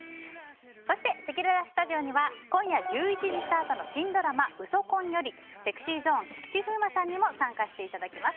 そして、せきららスタジオには今夜１１時スタートの新ドラマ「ウソ婚」よりＳｅｘｙＺｏｎｅ菊池風磨さんにも参加していただきます。